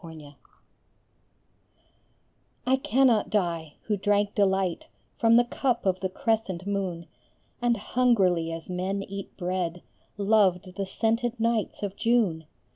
The Wine I cannot die, who drank delight From the cup of the crescent moon, And hungrily as men eat bread, Loved the scented nights of June.